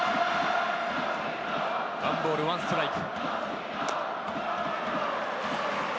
１ボール１ストライク。